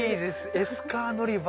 エスカー乗り場。